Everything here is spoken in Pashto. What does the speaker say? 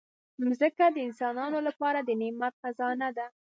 مځکه د انسانانو لپاره د نعمت خزانه ده.